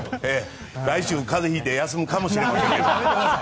来週、風邪引いて休むかもしれません。